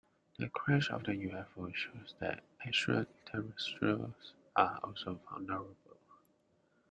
The crash of the UFO shows that extraterrestrials are also vulnerable.